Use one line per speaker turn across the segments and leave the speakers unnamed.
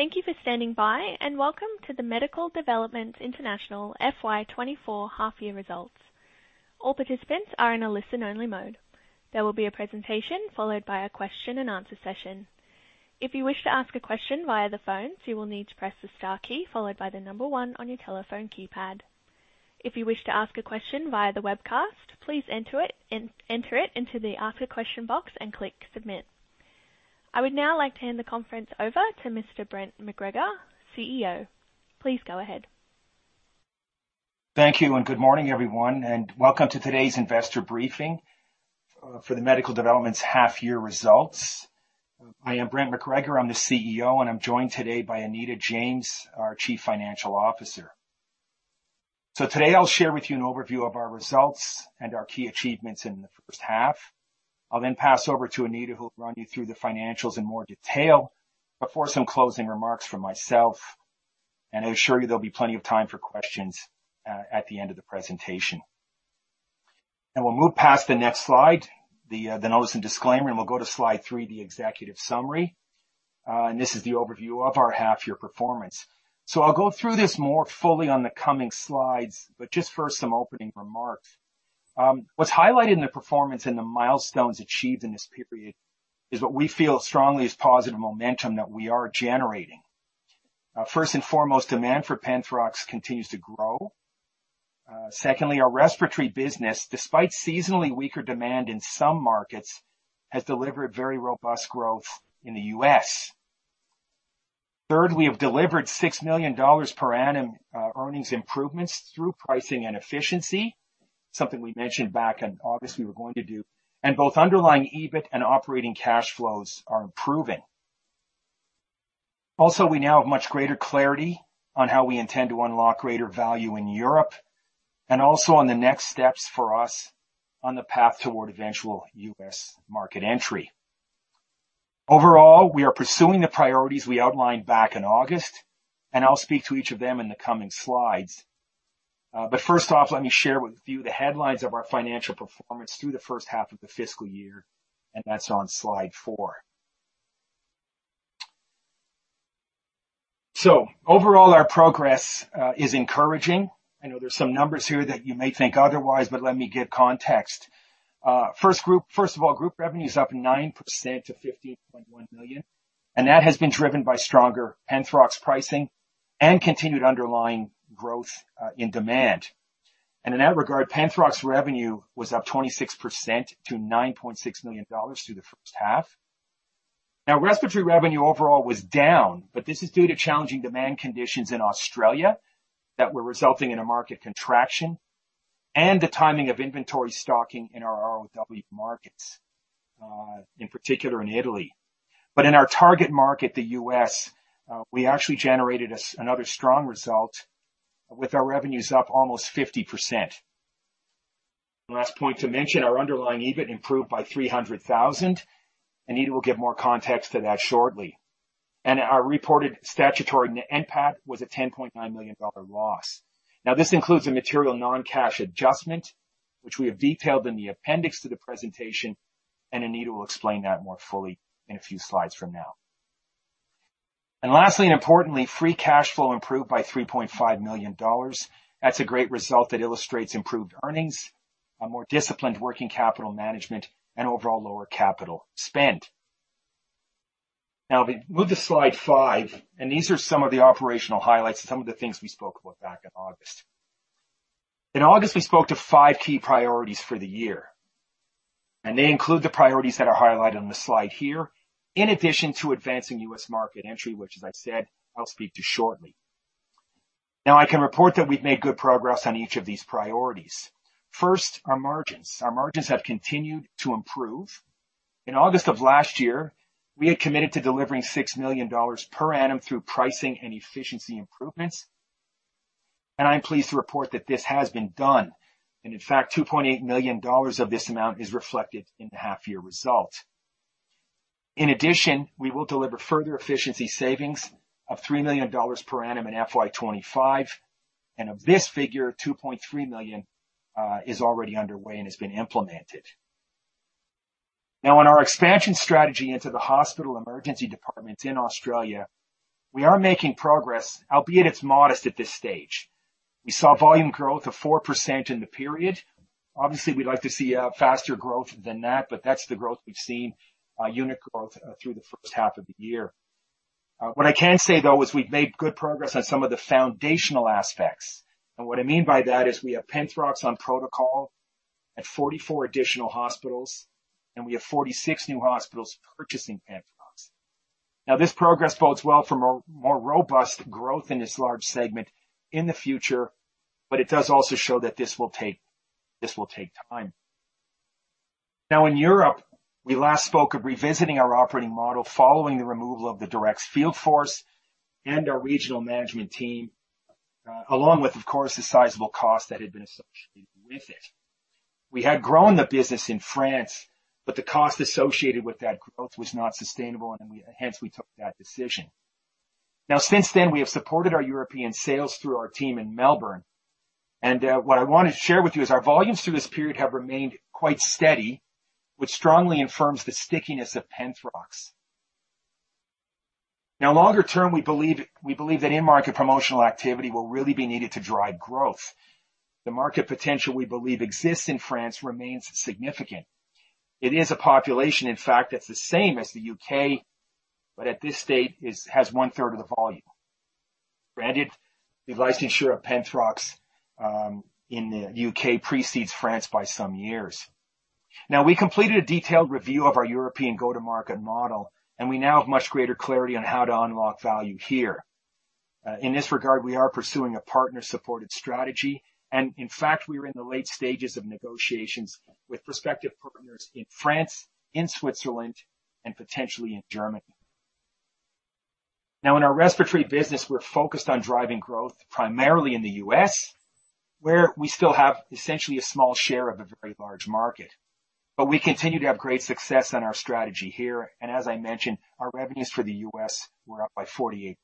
Thank you for standing by, welcome to the Medical Developments International FY 2024 Half-Year Results. All participants are in a listen-only mode. There will be a presentation followed by a question and answer session. If you wish to ask a question via the phone, you will need to press the star key followed by the number one on your telephone keypad. If you wish to ask a question via the webcast, please enter it, enter it into the Ask a Question box and click Submit. I would now like to hand the conference over to Mr. Brent MacGregor, CEO. Please go ahead.
Thank you, good morning, everyone, and welcome to today's investor briefing, for the Medical Developments Half-Year Results. I am Brent MacGregor, I'm the CEO, and I'm joined today by Anita James, our Chief Financial Officer. Today I'll share with you an overview of our results and our key achievements in the first half. I'll pass over to Anita, who will run you through the financials in more detail, before some closing remarks from myself. I assure you there'll be plenty of time for questions at the end of the presentation. We'll move past the next slide, the notice and disclaimer, and we'll go to slide three, the executive summary. This is the overview of our half-year performance. I'll go through this more fully on the coming slides, but just first, some opening remarks. What's highlighted in the performance and the milestones achieved in this period is what we feel strongly is positive momentum that we are generating. First and foremost, demand for Penthrox continues to grow. Secondly, our respiratory business, despite seasonally weaker demand in some markets, has delivered very robust growth in the U.S. Third, we have delivered $6 million per annum earnings improvements through pricing and efficiency. Something we mentioned back in August we were going to do. Both underlying EBIT and operating cash flows are improving. We now have much greater clarity on how we intend to unlock greater value in Europe, and also on the next steps for us on the path toward eventual U.S. market entry. Overall, we are pursuing the priorities we outlined back in August. I'll speak to each of them in the coming slides. First off, let me share with you the headlines of our financial performance through the first half of the fiscal year, and that's on slide four. Overall, our progress is encouraging. I know there's some numbers here that you may think otherwise, but let me give context. First of all, group revenue is up 9% to $58.1 million, and that has been driven by stronger Penthrox pricing and continued underlying growth in demand. In that regard, Penthrox revenue was up 26% to $9.6 million through the first half. Respiratory revenue overall was down, but this is due to challenging demand conditions in Australia that were resulting in a market contraction and the timing of inventory stocking in our ROW markets, in particular in Italy. In our target market, the U.S., we actually generated another strong result with our revenues up almost 50%. Last point to mention, our underlying EBIT improved by 300,000. Anita will give more context to that shortly. Our reported statutory NPAT was an 10.9 million dollar loss. Now, this includes a material non-cash adjustment, which we have detailed in the appendix to the presentation. Anita will explain that more fully in a few slides from now. Lastly, and importantly, free cash flow improved by 3.5 million dollars. That's a great result that illustrates improved earnings, a more disciplined working capital management, and overall lower capital spend. Now, we move to slide five. These are some of the operational highlights and some of the things we spoke about back in August. In August, we spoke to five key priorities for the year. They include the priorities that are highlighted on the slide here, in addition to advancing U.S. market entry, which, as I said, I'll speak to shortly. Now, I can report that we've made good progress on each of these priorities. First, our margins. Our margins have continued to improve. In August of last year, we had committed to delivering 6 million dollars per annum through pricing and efficiency improvements. I'm pleased to report that this has been done. In fact, 2.8 million dollars of this amount is reflected in the half-year results. In addition, we will deliver further efficiency savings of 3 million dollars per annum in FY 2025. Of this figure, 2.3 million is already underway and has been implemented. On our expansion strategy into the hospital emergency departments in Australia, we are making progress, albeit it's modest at this stage. We saw volume growth of 4% in the period. Obviously, we'd like to see faster growth than that, but that's the growth we've seen, unit growth, through the first half of the year. What I can say, though, is we've made good progress on some of the foundational aspects. What I mean by that is we have Penthrox on protocol at 44 additional hospitals, and we have 46 new hospitals purchasing Penthrox. This progress bodes well for more, more robust growth in this large segment in the future, but it does also show that this will take, this will take time. Now, in Europe, we last spoke of revisiting our operating model following the removal of the direct field force and our regional management team, along with, of course, the sizable cost that had been associated with it. We had grown the business in France, but the cost associated with that growth was not sustainable, and hence we took that decision. Now, since then, we have supported our European sales through our team in Melbourne. What I want to share with you is our volumes through this period have remained quite steady, which strongly affirms the stickiness of Penthrox. Now, longer term, we believe, we believe that in-market promotional activity will really be needed to drive growth. The market potential we believe exists in France remains significant. It is a population, in fact, that's the same as the U.K., but at this state, has 1/3 of the volume. Granted, the licensure of Penthrox in the U.K. precedes France by some years. We completed a detailed review of our European go-to-market model, and we now have much greater clarity on how to unlock value here. In this regard, we are pursuing a partner-supported strategy, and in fact, we are in the late stages of negotiations with prospective partners in France, in Switzerland, and potentially in Germany. In our respiratory business, we're focused on driving growth primarily in the U.S., where we still have essentially a small share of a very large market. We continue to have great success on our strategy here, and as I mentioned, our revenues for the U.S. were up by 48%.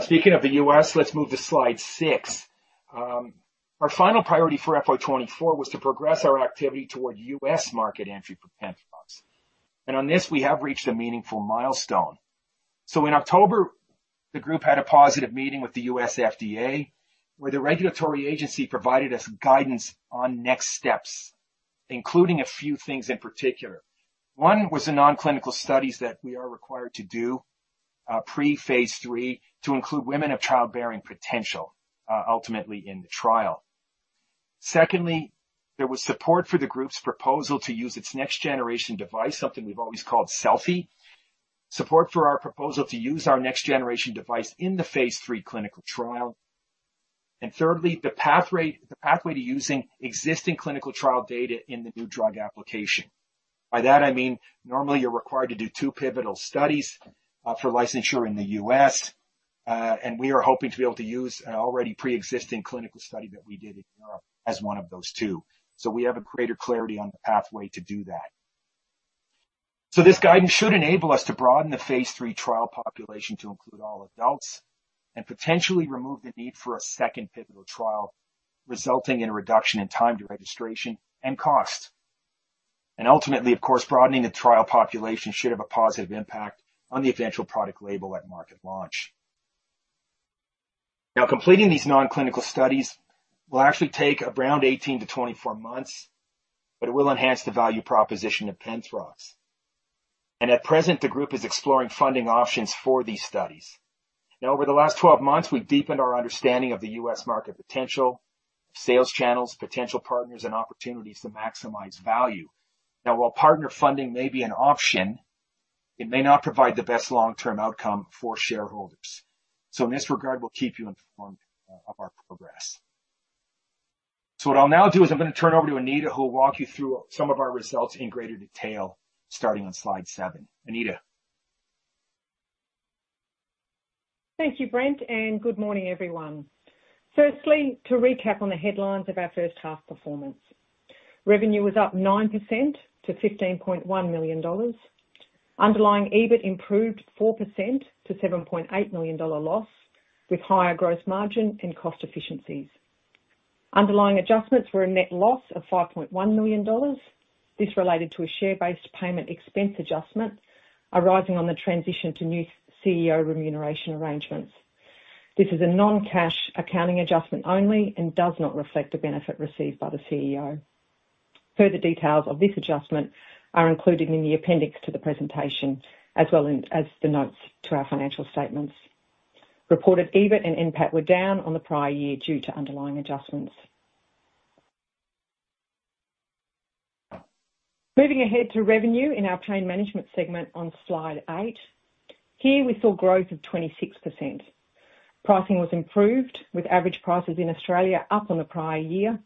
Speaking of the U.S., let's move to slide six. Our final priority for FY 2024 was to progress our activity toward U.S. market entry for Penthrox. On this, we have reached a meaningful milestone. In October, the group had a positive meeting with the U.S. FDA, where the regulatory agency provided us guidance on next steps, including a few things in particular. One, was the non-clinical studies that we are required to do, pre-phase III, to include women of childbearing potential, ultimately in the trial. Secondly, there was support for the group's proposal to use its next generation device, something we've always called Selfie. Support for our proposal to use our next generation device in the phase III clinical trial. Thirdly, the pathway to using existing clinical trial data in the new drug application. By that I mean, normally you're required to do two pivotal studies for licensure in the U.S., and we are hoping to be able to use an already pre-existing clinical study that we did in Europe as one of those two. We have a greater clarity on the pathway to do that. This guidance should enable us to broaden the phase III trial population to include all adults, and potentially remove the need for a second pivotal trial, resulting in a reduction in time to registration and cost. Ultimately, of course, broadening the trial population should have a positive impact on the eventual product label at market launch. Now, completing these non-clinical studies will actually take around 18-24 months, but it will enhance the value proposition of Penthrox. At present, the group is exploring funding options for these studies. Over the last 12 months, we've deepened our understanding of the U.S. market potential, sales channels, potential partners, and opportunities to maximize value. While partner funding may be an option, it may not provide the best long-term outcome for shareholders. In this regard, we'll keep you informed of our progress. What I'll now do is I'm gonna turn over to Anita, who will walk you through some of our results in greater detail, starting on slide seven. Anita?
Thank you, Brent. Good morning, everyone. Firstly, to recap on the headlines of our first half performance. Revenue was up 9% to $15.1 million. Underlying EBIT improved 4% to $7.8 million loss, with higher gross margin and cost efficiencies. Underlying adjustments were a net loss of $5.1 million. This related to a share-based payment expense adjustment, arising on the transition to new CEO remuneration arrangements. This is a non-cash accounting adjustment only. Does not reflect the benefit received by the CEO. Further details of this adjustment are included in the appendix to the presentation, as well as the notes to our financial statements. Reported EBIT and NPAT were down on the prior year due to underlying adjustments. Moving ahead to revenue in our Pain Management segment on slide eight. Here, we saw growth of 26%. Pricing was improved, with average prices in Australia up on the prior year,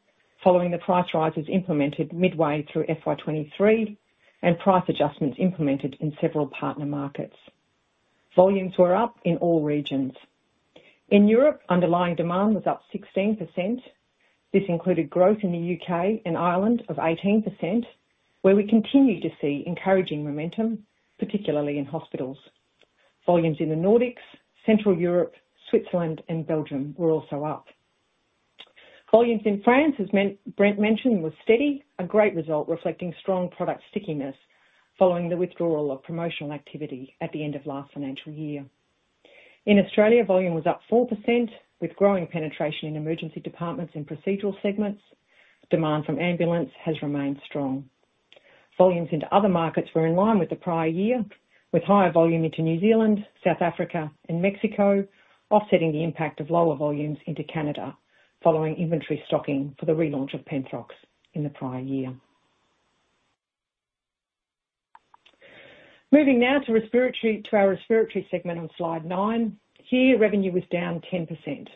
following the price rises implemented midway through FY 2023, and price adjustments implemented in several partner markets. Volumes were up in all regions. In Europe, underlying demand was up 16%. This included growth in the U.K. and Ireland of 18%, where we continue to see encouraging momentum, particularly in hospitals. Volumes in the Nordics, Central Europe, Switzerland, and Belgium were also up. Volumes in France, as Brent mentioned, was steady, a great result reflecting strong product stickiness following the withdrawal of promotional activity at the end of last financial year. In Australia, volume was up 4%, with growing penetration in emergency departments and procedural segments. Demand from ambulance has remained strong. Volumes into other markets were in line with the prior year, with higher volume into New Zealand, South Africa, and Mexico, offsetting the impact of lower volumes into Canada, following inventory stocking for the relaunch of Penthrox in the prior year. Moving now to respiratory, to our Respiratory segment on slide nine. Here, revenue was down 10%.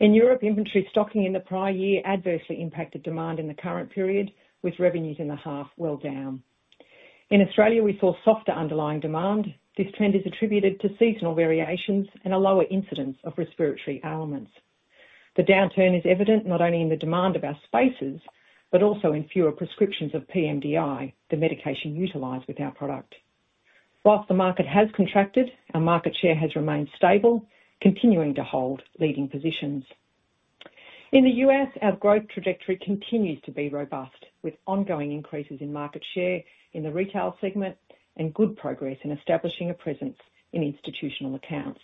In Europe, inventory stocking in the prior year adversely impacted demand in the current period, with revenues in the half well down. In Australia, we saw softer underlying demand. This trend is attributed to seasonal variations and a lower incidence of respiratory ailments. The downturn is evident not only in the demand of our spaces, but also in fewer prescriptions of pMDI, the medication utilized with our product. While the market has contracted, our market share has remained stable, continuing to hold leading positions. In the U.S., our growth trajectory continues to be robust, with ongoing increases in market share in the retail segment and good progress in establishing a presence in institutional accounts.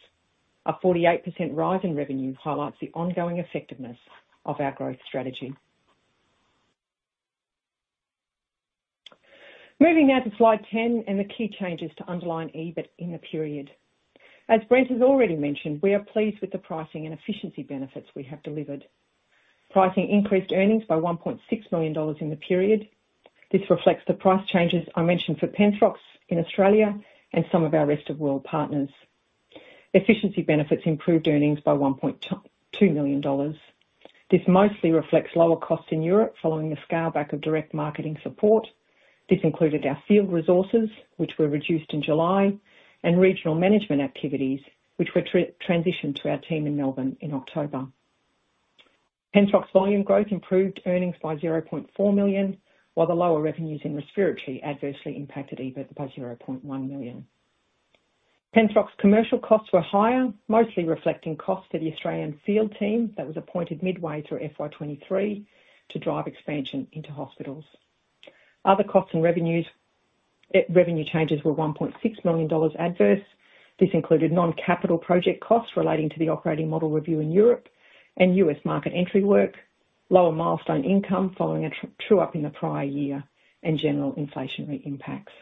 A 48% rise in revenue highlights the ongoing effectiveness of our growth strategy. Moving now to slide 10 and the key changes to underlying EBIT in the period. As Brent has already mentioned, we are pleased with the pricing and efficiency benefits we have delivered. Pricing increased earnings by 1.6 million dollars in the period. This reflects the price changes I mentioned for Penthrox in Australia and some of our rest of world partners. Efficiency benefits improved earnings by 1.2 million dollars. This mostly reflects lower costs in Europe following the scale back of direct marketing support. This included our field resources, which were reduced in July, and regional management activities, which were transitioned to our team in Melbourne in October. Penthrox volume growth improved earnings by $0.4 million, while the lower revenues in respiratory adversely impacted EBIT by $0.1 million. Penthrox commercial costs were higher, mostly reflecting costs to the Australian field team that was appointed midway through FY 2023 to drive expansion into hospitals. Other costs and revenues, revenue changes were $1.6 million adverse. This included non-capital project costs relating to the operating model review in Europe and U.S. market entry work, lower milestone income following a true up in the prior year, and general inflationary impacts.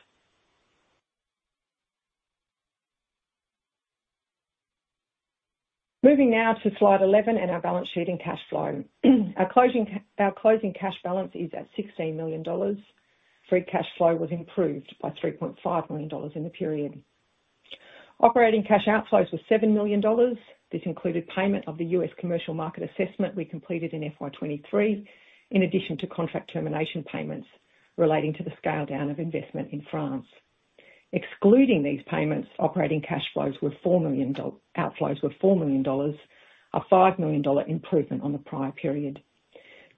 Moving now to slide 11 and our balance sheet and cash flow. Our closing cash balance is at $16 million. Free cash flow was improved by 3.5 million dollars in the period. Operating cash outflows were 7 million dollars. This included payment of the U.S. commercial market assessment we completed in FY 2023, in addition to contract termination payments relating to the scale down of investment in France. Excluding these payments, operating cash outflows were 4 million dollars, a 5 million dollar improvement on the prior period.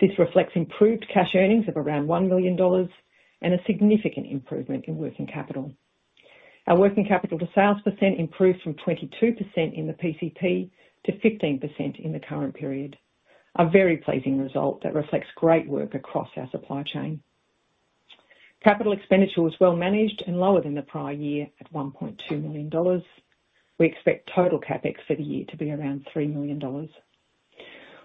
This reflects improved cash earnings of around 1 million dollars and a significant improvement in working capital. Our working capital to sales % improved from 22% in the PCP to 15% in the current period, a very pleasing result that reflects great work across our supply chain. CapEx was well managed and lower than the prior year at 1.2 million dollars. We expect total CapEx for the year to be around $3 million.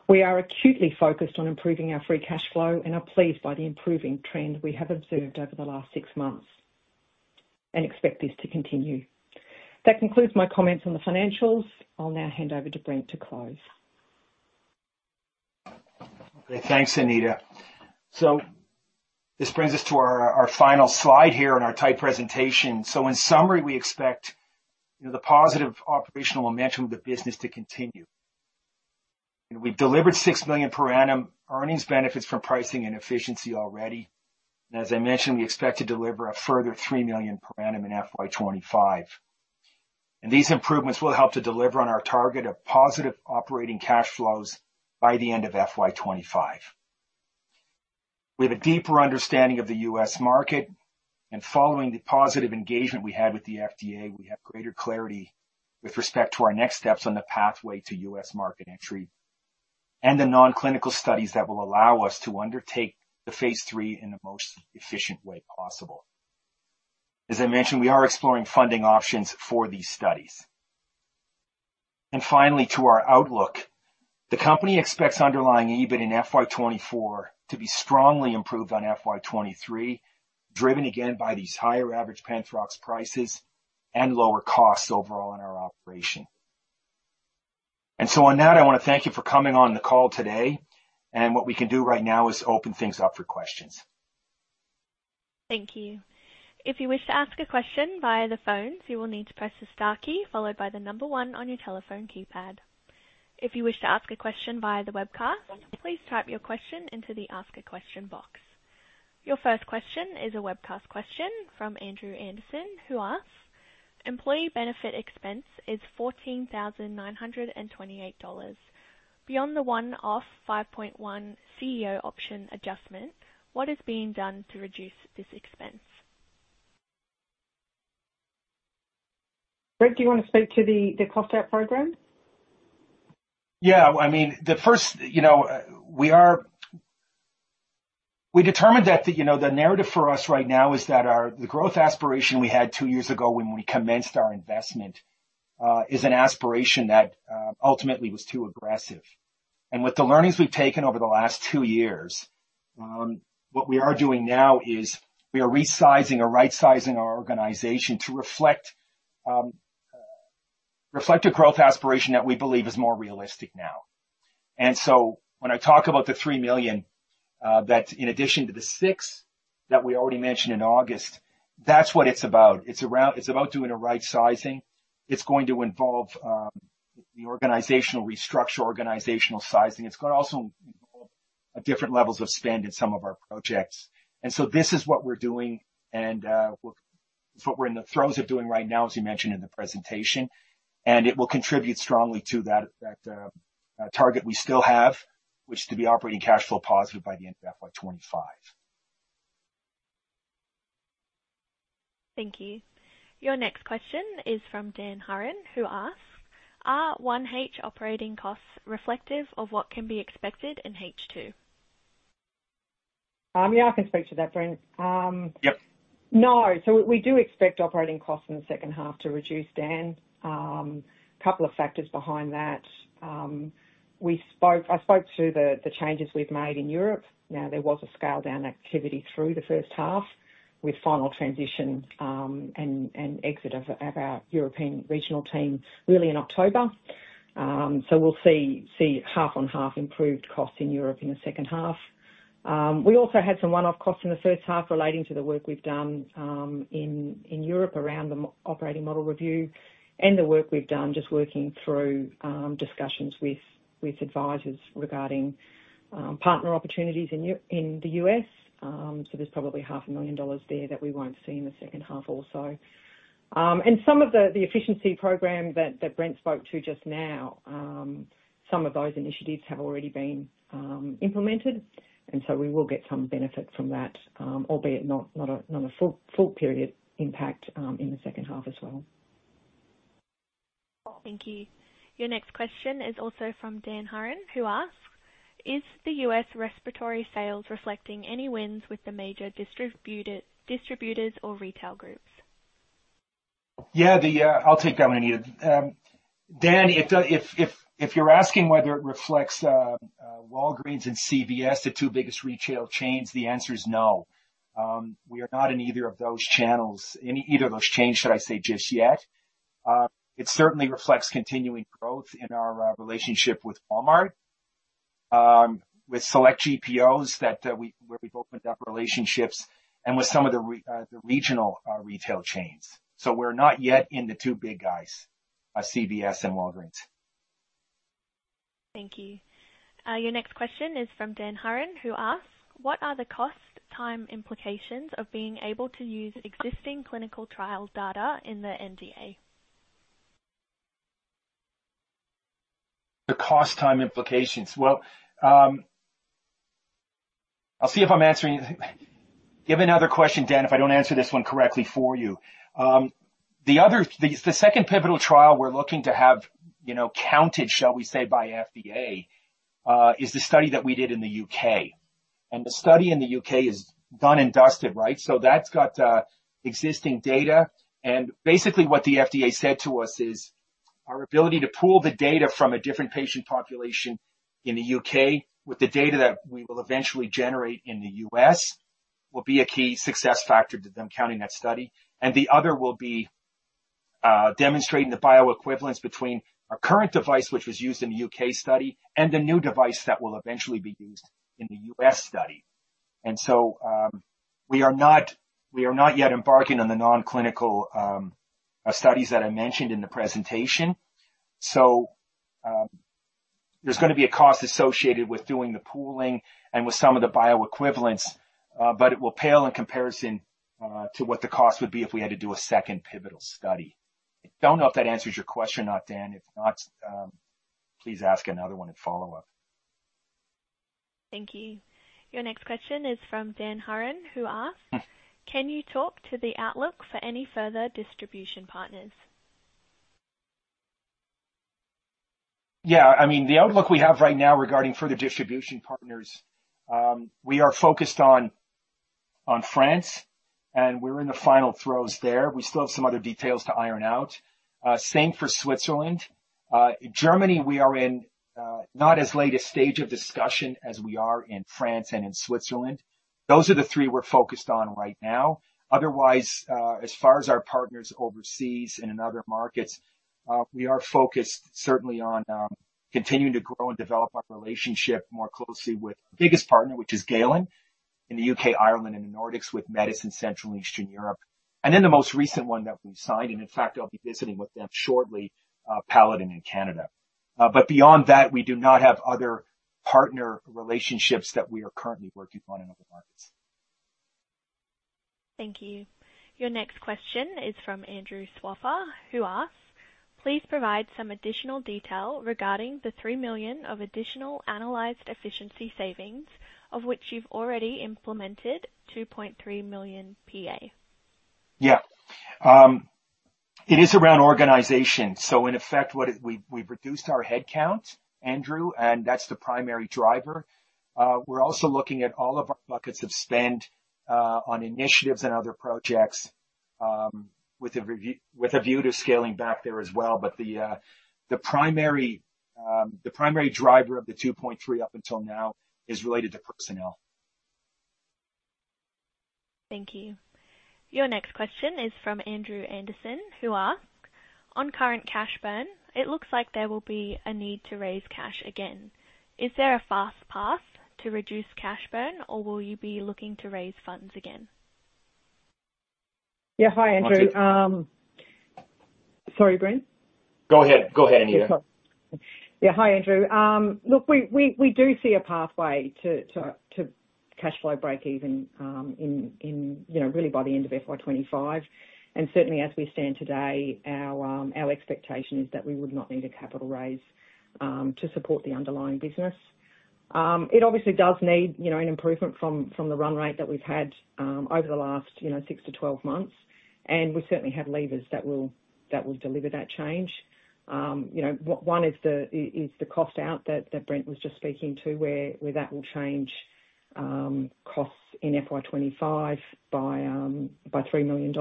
We are acutely focused on improving our free cash flow and are pleased by the improving trend we have observed over the last six months, and expect this to continue. That concludes my comments on the financials. I'll now hand over to Brent to close.
Okay, thanks, Anita. This brings us to our final slide here on our tight presentation. In summary, we expect, you know, the positive operational momentum of the business to continue. We've delivered $6 million per annum earnings benefits from pricing and efficiency already. As I mentioned, we expect to deliver a further $3 million per annum in FY 2025. These improvements will help to deliver on our target of positive operating cash flows by the end of FY 2025. We have a deeper understanding of the U.S. market, and following the positive engagement we had with the FDA, we have greater clarity with respect to our next steps on the pathway to U.S. market entry, and the non-clinical studies that will allow us to undertake the phase III in the most efficient way possible. As I mentioned, we are exploring funding options for these studies. Finally, to our outlook. The company expects underlying EBIT in FY 2024 to be strongly improved on FY 2023, driven again by these higher average Penthrox prices and lower costs overall in our operation. On that, I want to thank you for coming on the call today. What we can do right now is open things up for questions.
Thank you. If you wish to ask a question via the phone, you will need to press the star key followed by one on your telephone keypad. If you wish to ask a question via the webcast, please type your question into the Ask a Question box. Your first question is a webcast question from Andrew Anderson, who asks: Employee benefit expense is $14,928. Beyond the one-off $5.1 CEO option adjustment, what is being done to reduce this expense?
Brent, do you want to speak to the, the cost-out program?
Yeah, I mean, the first... You know, we determined that the, you know, the narrative for us right now is that the growth aspiration we had two years ago when we commenced our investment, is an aspiration that ultimately was too aggressive. With the learnings we've taken over the last two years, what we are doing now is we are resizing or right-sizing our organization to reflect, reflect a growth aspiration that we believe is more realistic now. When I talk about the 3 million, that's in addition to the 6 million that we already mentioned in August, that's what it's about. It's about doing a right-sizing. It's going to involve the organizational restructure, organizational sizing. It's going to also, you know, at different levels of spend in some of our projects. So this is what we're doing, and, what, what we're in the throes of doing right now, as you mentioned in the presentation. It will contribute strongly to that, that, target we still have, which is to be operating cash flow positive by the end of FY 2025.
Thank you. Your next question is from Dan Haran, who asks: Are 1H operating costs reflective of what can be expected in H2?
Yeah, I can speak to that, Brent.
Yep.
No. We d o expect operating costs in the second half to reduce, Dan. Couple of factors behind that. We spoke-- I spoke to the, the changes we've made in Europe. Now, there was a scale-down activity through the first half, with final transition, and, and exit of, of our European regional team really in October. We'll see, see half on half improved costs in Europe in the second half. We also had some one-off costs in the first half relating to the work we've done, in, in Europe around the operating model review, and the work we've done just working through, discussions with, with advisors regarding, partner opportunities in the U.S. There's probably $500,000 there that we won't see in the second half also. Some of the, the efficiency program that, that Brent spoke to just now, some of those initiatives have already been, implemented, and so we will get some benefit from that, albeit not, not a, not a full, full period impact, in the second half as well.
Thank you. Your next question is also from Dan Haran, who asks: Is the U.S. respiratory sales reflecting any wins with the major distributor, distributors or retail groups?
Yeah, the... I'll take that one, Anita. Dan, if the, if, if, if you're asking whether it reflects Walgreens and CVS, the two biggest retail chains, the answer is no. We are not in either of those channels, in either of those chains, should I say, just yet. It certainly reflects continuing growth in our relationship with Walmart, with select GPOs, that we, where we've opened up relationships and with some of the regional retail chains. We're not yet in the two big guys, CVS and Walgreens.
Thank you. Your next question is from Dan Haran, who asks: What are the cost time implications of being able to use existing clinical trial data in the NDA?
The cost time implications. Well, I'll see if I'm answering... Give another question, Dan, if I don't answer this one correctly for you. The other, the second pivotal trial we're looking to have, you know, counted, shall we say, by FDA, is the study that we did in the U.K. The study in the U.K. is done and dusted, right? That's got existing data. Basically, what the FDA said to us is, our ability to pool the data from a different patient population in the U.K., with the data that we will eventually generate in the U.S., will be a key success factor to them counting that study. The other will be demonstrating the bioequivalence between our current device, which was used in the U.K. study, and the new device that will eventually be used in the U.S. study. We are not, we are not yet embarking on the non-clinical studies that I mentioned in the presentation. There's gonna be a cost associated with doing the pooling and with some of the bioequivalence, but it will pale in comparison to what the cost would be if we had to do a second pivotal study. I don't know if that answers your question or not, Dan. If not, please ask another one in follow-up.
Thank you. Your next question is from Dan Haran, who asks: Can you talk to the outlook for any further distribution partners?
Yeah. I mean, the outlook we have right now regarding further distribution partners, we are focused on, on France, and we're in the final throes there. We still have some other details to iron out. Same for Switzerland. Germany, we are in not as late a stage of discussion as we are in France and in Switzerland. Those are the three we're focused on right now. Otherwise, as far as our partners overseas and in other markets, we are focused certainly on continuing to grow and develop our relationship more closely with our biggest partner, which is Galen, in the U.K., Ireland and the Nordics, with Medis Central and Eastern Europe. The most recent one that we've signed, and in fact, I'll be visiting with them shortly, Paladin in Canada. Beyond that, we do not have other partner relationships that we are currently working on in other markets.
Thank you. Your next question is from Andrew Swaffer, who asks: Please provide some additional detail regarding the 3 million of additional analyzed efficiency savings, of which you've already implemented 2.3 million p.a.
Yeah. It is around organization. In effect, we've, we've reduced our headcount, Andrew, and that's the primary driver. We're also looking at all of our buckets of spend on initiatives and other projects with a view to scaling back there as well. The primary, the primary driver of the 2.3 million up until now is related to personnel.
Thank you. Your next question is from Andrew Anderson, who asks: On current cash burn, it looks like there will be a need to raise cash again. Is there a fast pass to reduce cash burn, or will you be looking to raise funds again?
Yeah, hi, Andrew. Sorry, Brent?
Go ahead. Go ahead, Anita.
Yeah, hi, Andrew. look, we, we, we do see a pathway to, to, to cashflow breakeven, in, in, you know, really by the end of FY 2025, and certainly as we stand today, our, our expectation is that we would not need a capital raise, to support the underlying business. It obviously does need, you know, an improvement from, from the run rate that we've had, over the last, you know, six to 12 months. We certainly have levers that will, that will deliver that change. you know, one is the, is, is the cost out that, that Brent was just speaking to, where, where that will change, costs in FY 2025 by, by $3 million.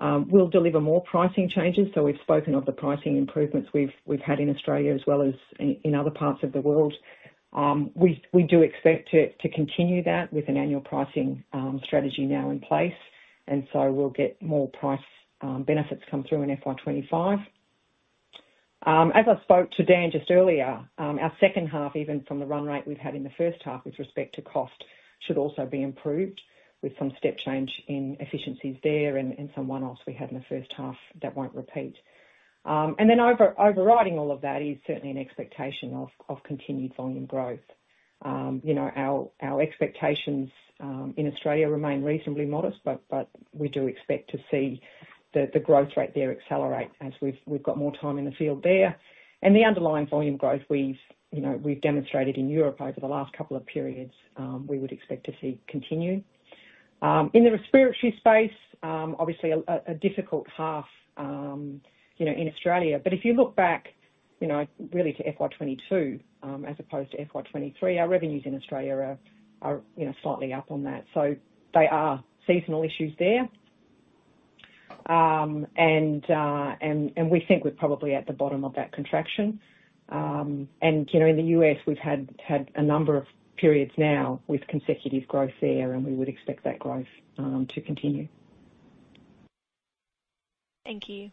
We'll deliver more pricing changes. We've spoken of the pricing improvements we've, we've had in Australia as well as in, in other parts of the world. We, we do expect to, to continue that with an annual pricing strategy now in place, and so we'll get more price benefits come through in FY 2025. As I spoke to Dan just earlier, our second half, even from the run rate we've had in the first half with respect to cost, should also be improved with some step change in efficiencies there and, and some one-offs we had in the first half that won't repeat. And then over- overriding all of that is certainly an expectation of, of continued volume growth. You know, our, our expectations in Australia remain reasonably modest, but, but we do expect to see the, the growth rate there accelerate as we've, we've got more time in the field there. The underlying volume growth, we've, you know, we've demonstrated in Europe over the last couple of periods, we would expect to see continue. In the respiratory space, obviously a, a, a difficult half, you know, in Australia. If you look back, you know, really to FY 2022, as opposed to FY 2023, our revenues in Australia are, are, you know, slightly up on that. They are seasonal issues there. And, and we think we're probably at the bottom of that contraction. You know, in the U.S., we've had, had a number of periods now with consecutive growth there, and we would expect that growth to continue.
Thank you.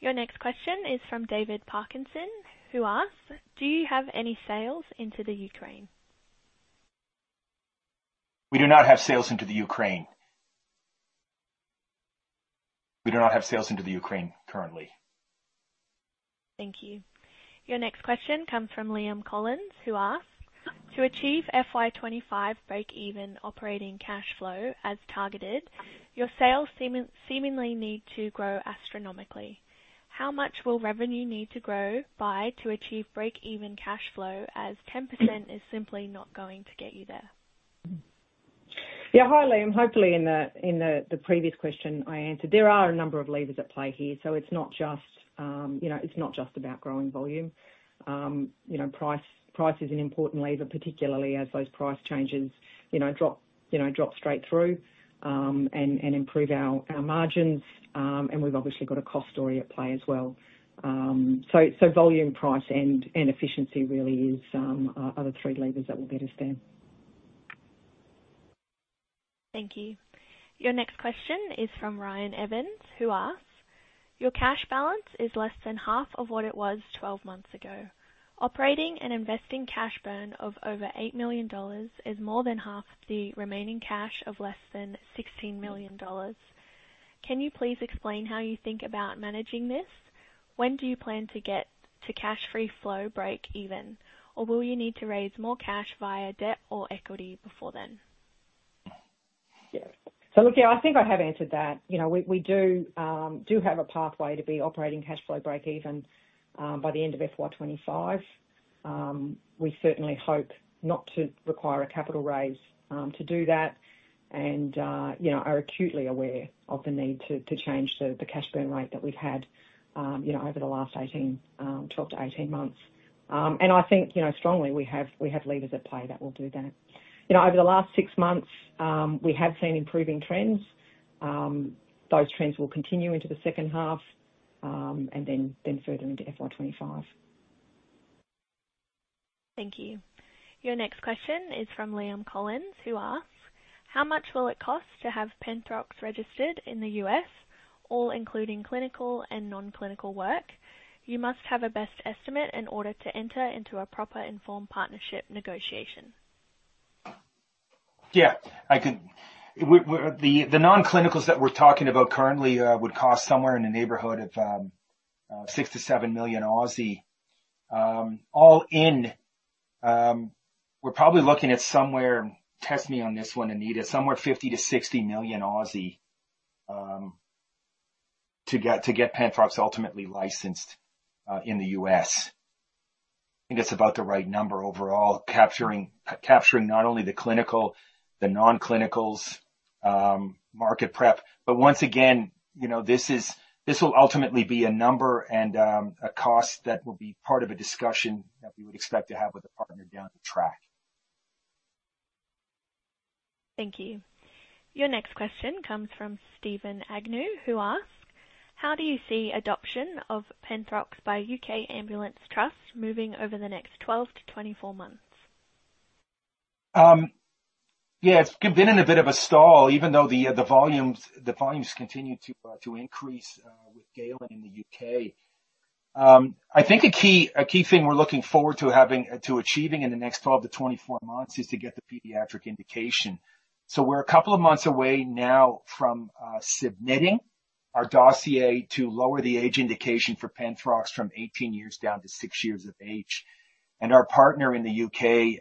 Your next question is from David Parkinson, who asks: Do you have any sales into the Ukraine?
We do not have sales into the Ukraine. We do not have sales into the Ukraine currently.
Thank you. Your next question comes from Liam Collins, who asks: To achieve FY 2025 break-even operating cash flow as targeted, your sales seemingly need to grow astronomically. How much will revenue need to grow by to achieve break-even cash flow, as 10% is simply not going to get you there?
Yeah. Hi, Liam. Hopefully in the, in the, the previous question I answered, there are a number of levers at play here, so it's not just, you know, it's not just about growing volume. You know, price, price is an important lever, particularly as those price changes, you know, drop, you know, drop straight through, and, and improve our, our margins, and we've obviously got a cost story at play as well. Volume, price, and, and efficiency really is, are, are the three levers that will get us there.
Thank you. Your next question is from Ryan Evans, who asks: Your cash balance is less than half of what it was 12 months ago. Operating and investing cash burn of over 8 million dollars is more than half the remaining cash of less than 16 million dollars. Can you please explain how you think about managing this? When do you plan to get to free cash flow break even, or will you need to raise more cash via debt or equity before then?
Yeah. Look, yeah, I think I have answered that. You know, we, we do, do have a pathway to be operating cash flow break even by the end of FY 2025. We certainly hope not to require a capital raise to do that and, you know, are acutely aware of the need to change the cash burn rate that we've had, you know, over the last 18, 12 to 18 months. I think, you know, strongly we have, we have levers at play that will do that. You know, over the last six months, we have seen improving trends. Those trends will continue into the second half, then, then further into FY 2025.
Thank you. Your next question is from Liam Collins, who asks: How much will it cost to have Penthrox registered in the U.S., all including clinical and non-clinical work? You must have a best estimate in order to enter into a proper informed partnership negotiation.
Yeah, I can... We, we're, the non-clinicals that we're talking about currently, would cost somewhere in the neighborhood of 6 million-7 million. All in, we're probably looking at somewhere, test me on this one, Anita, somewhere 50 million-60 million, to get Penthrox ultimately licensed in the U.S. I think it's about the right number overall, capturing not only the clinical, the non-clinicals, market prep, but once again, you know, this will ultimately be a number and a cost that will be part of a discussion that we would expect to have with a partner down the track.
Thank you. Your next question comes from Steven Agnew, who asks: How do you see adoption of Penthrox by U.K. Ambulance Trust moving over the next 12-24 months?
Yeah, it's been in a bit of a stall, even though the volumes, the volumes continue to increase with Galen Ltd. in the U.K. I think a key, a key thing we're looking forward to having to achieving in the next 12-24 months is to get the pediatric indication. We're a couple of months away now from submitting our dossier to lower the age indication for Penthrox from 18 years down to six years of age. Our partner in the U.K.,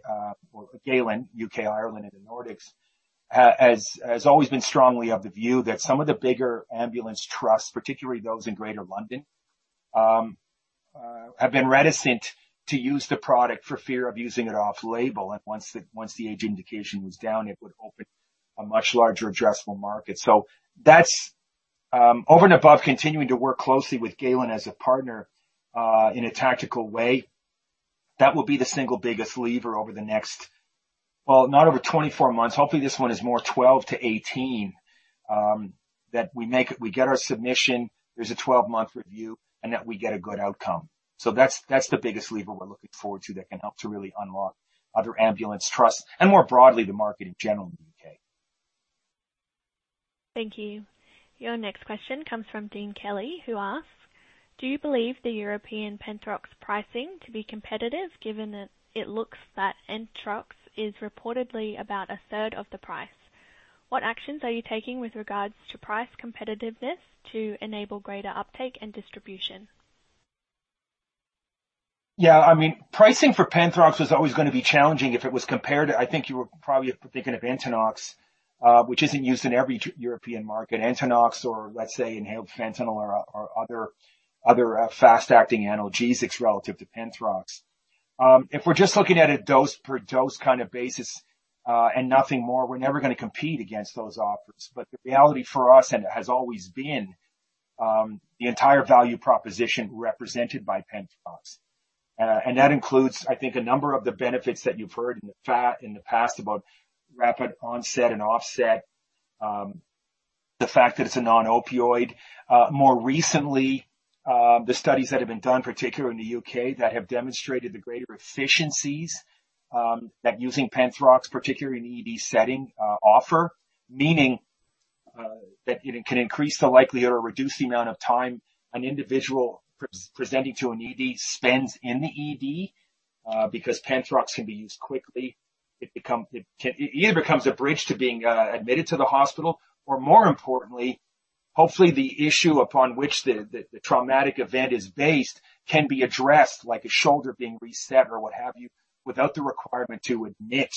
well, Galen Ltd., U.K., Ireland, and the Nordics, has, has always been strongly of the view that some of the bigger ambulance trusts, particularly those in Greater London, have been reticent to use the product for fear of using it off-label. Once the, once the age indication was down, it would open a much larger addressable market. That's, over and above continuing to work closely with Galen as a partner, in a tactical way. That will be the single biggest lever over the next. Well, not over 24 months. Hopefully, this one is more 12 to 18, that we get our submission, there's a 12-month review, and that we get a good outcome. That's, that's the biggest lever we're looking forward to that can help to really unlock other ambulance trusts and, more broadly, the market in general in the U.K.
Thank you. Your next question comes from Dean Kelly, who asks: Do you believe the European Penthrox pricing to be competitive, given that it looks that Entonox is reportedly about a third of the price? What actions are you taking with regards to price competitiveness to enable greater uptake and distribution?
Yeah, I mean, pricing for Penthrox was always gonna be challenging if it was compared to... I think you were probably thinking of Entonox, which isn't used in every European market. Entonox or let's say, inhaled fentanyl or, or other, other, fast-acting analgesics relative to Penthrox. If we're just looking at a dose-per-dose kind of basis, and nothing more, we're never gonna compete against those offers. The reality for us, and it has always been, the entire value proposition represented by Penthrox. That includes, I think, a number of the benefits that you've heard in the past about rapid onset and offset, the fact that it's a non-opioid. More recently, the studies that have been done, particularly in the U.K., that have demonstrated the greater efficiencies that using Penthrox, particularly in the ED setting, offer. Meaning that it can increase the likelihood or reduce the amount of time an individual presenting to an ED spends in the ED because Penthrox can be used quickly. It either becomes a bridge to being admitted to the hospital, or more importantly, hopefully, the issue upon which the traumatic event is based can be addressed, like a shoulder being reset or what have you, without the requirement to admit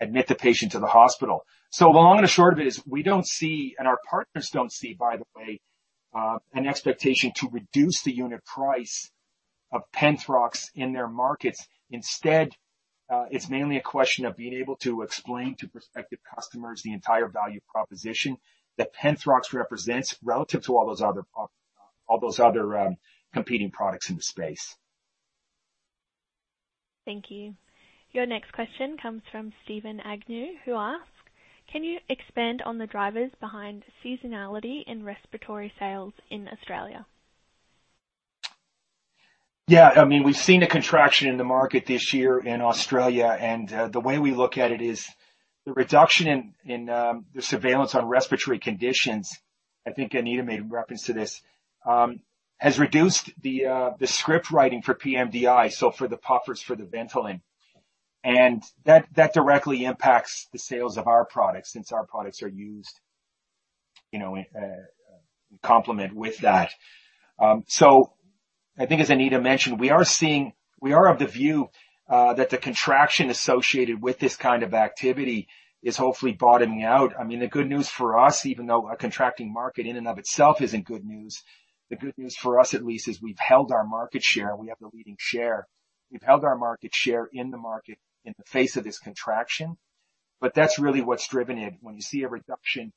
admit the patient to the hospital. The long and short of it is we don't see, and our partners don't see, by the way, an expectation to reduce the unit price of Penthrox in their markets. Instead, it's mainly a question of being able to explain to prospective customers the entire value proposition that Penthrox represents relative to all those other all those other competing products in the space.
Thank you. Your next question comes from Steven Agnew, who asks: Can you expand on the drivers behind seasonality in respiratory sales in Australia?
Yeah, I mean, we've seen a contraction in the market this year in Australia, and the way we look at it is the reduction in, in the surveillance on respiratory conditions, I think Anita made a reference to this, has reduced the script writing for pMDI, so for the puffers, for the Ventolin, and that, that directly impacts the sales of our products since our products are used, you know, in complement with that. I think as Anita mentioned, we are seeing... We are of the view that the contraction associated with this kind of activity is hopefully bottoming out. I mean, the good news for us, even though a contracting market in and of itself isn't good news, the good news for us at least, is we've held our market share. We have the leading share. We've held our market share in the market in the face of this contraction, but that's really what's driven it. When you see a reduction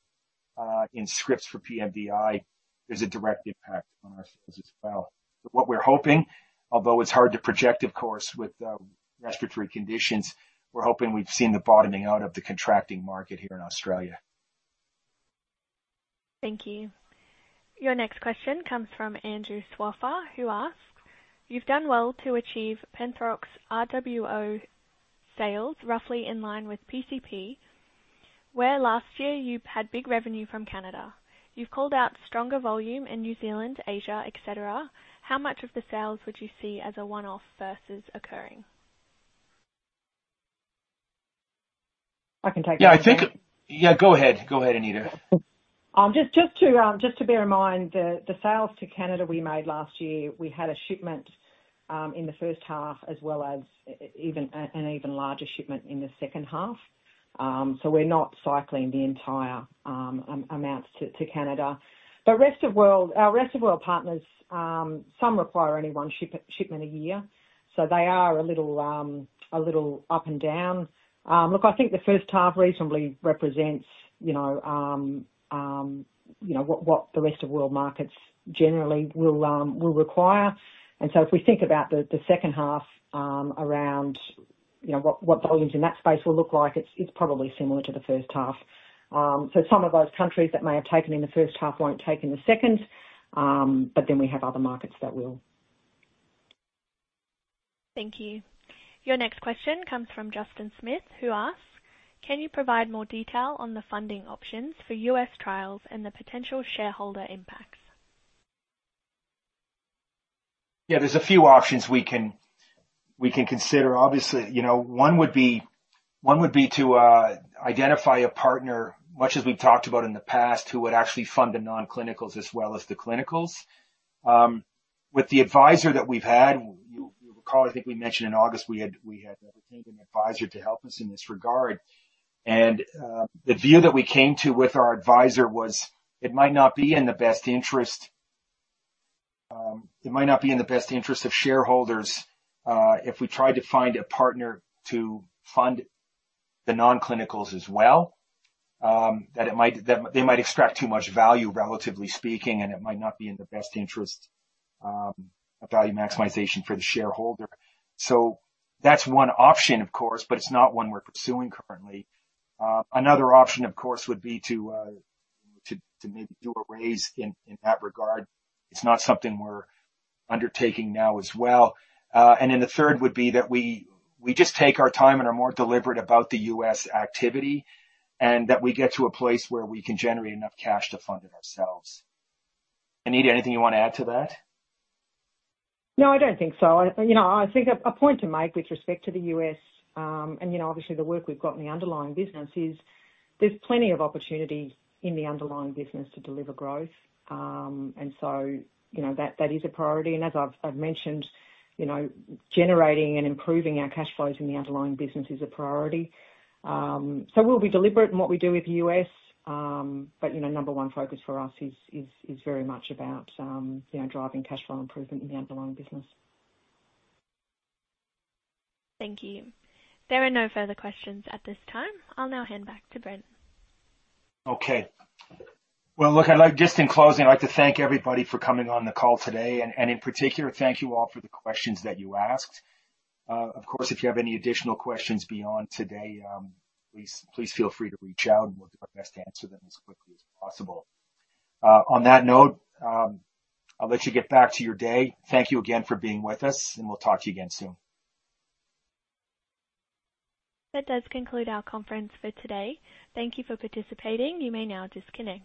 in scripts for pMDI, there's a direct impact on our sales as well. What we're hoping, although it's hard to project, of course, with respiratory conditions, we're hoping we've seen the bottoming out of the contracting market here in Australia.
Thank you. Your next question comes from Andrew Swaffer, who asks: You've done well to achieve Penthrox RWO sales, roughly in line with PCP, where last year you had big revenue from Canada. You've called out stronger volume in New Zealand, Asia, et cetera. How much of the sales would you see as a one-off versus occurring?
I can take that.
Yeah, I think... Yeah, go ahead. Go ahead, Anita.
Just, just to bear in mind, the sales to Canada we made last year, we had a shipment in the first half as well as even, an even larger shipment in the second half. We're not cycling the entire amounts to Canada. Rest of world, our rest of world partners, some require only one shipment a year, so they are a little, a little up and down. Look, I think the first half reasonably represents, you know, you know, what, what the rest of world markets generally will require. If we think about the second half, around, you know, what, what volumes in that space will look like, it's, it's probably similar to the first half. Some of those countries that may have taken in the first half won't take in the second, but then we have other markets that will.
Thank you. Your next question comes from Justin Smith, who asks: Can you provide more detail on the funding options for U.S. trials and the potential shareholder impacts?
Yeah, there's a few options we can, we can consider. Obviously, you know, one would be, one would be to identify a partner, much as we've talked about in the past, who would actually fund the non-clinicals as well as the clinicals. With the advisor that we've had, you, you recall, I think we mentioned in August, we had, we had retained an advisor to help us in this regard. The view that we came to with our advisor was, it might not be in the best interest, it might not be in the best interest of shareholders, if we tried to find a partner to fund the non-clinicals as well. That it might, that they might extract too much value, relatively speaking, and it might not be in the best interest of value maximization for the shareholder. That's one option, of course, but it's not one we're pursuing currently. Another option, of course, would be to maybe do a raise in that regard. It's not something we're undertaking now as well. Then the third would be that we just take our time and are more deliberate about the U.S. activity, and that we get to a place where we can generate enough cash to fund it ourselves. Anita, anything you want to add to that?
No, I don't think so. You know, I think a, a point to make with respect to the U.S., and, you know, obviously, the work we've got in the underlying business is, there's plenty of opportunity in the underlying business to deliver growth. You know, that, that is a priority. As I've, I've mentioned, you know, generating and improving our cash flows in the underlying business is a priority. We'll be deliberate in what we do with the U.S., you know, number one focus for us is, is, is very much about, you know, driving cash flow improvement in the underlying business.
Thank you. There are no further questions at this time. I'll now hand back to Brent.
Okay. Well, look, Just in closing, I'd like to thank everybody for coming on the call today. In particular, thank you all for the questions that you asked. Of course, if you have any additional questions beyond today, please, please feel free to reach out, and we'll do our best to answer them as quickly as possible. On that note, I'll let you get back to your day. Thank you again for being with us, and we'll talk to you again soon.
That does conclude our conference for today. Thank you for participating. You may now disconnect.